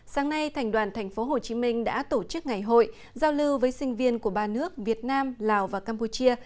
sáng nay thành đoàn tp hcm đã tổ chức ngày hội giao lưu với sinh viên của ba nước việt nam lào và campuchia